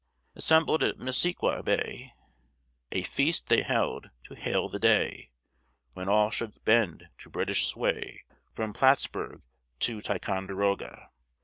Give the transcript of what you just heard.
Assembled at Missisqui bay A feast they held, to hail the day, When all should bend to British sway From Plattsburgh to Ticonderogue.